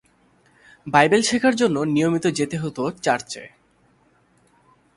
Bible শেখার জন্য নিয়মিত যেতে হতো চার্চে।